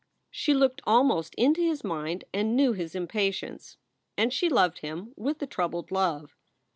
She looked almost 4 SOULS FOR SALE into his mind and knew his impatience. And she loved him with a troubled love.